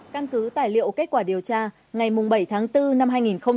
căn cứ tài liệu kết quả điều tra ngày bảy tháng bốn năm hai nghìn hai mươi